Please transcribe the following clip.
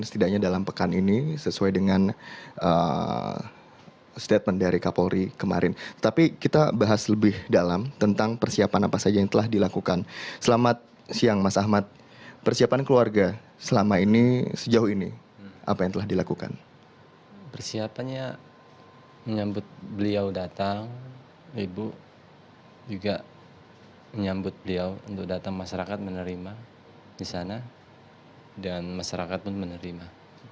persiapannya menyambut beliau datang ibu juga menyambut beliau untuk datang masyarakat menerima di sana dan masyarakat pun menerima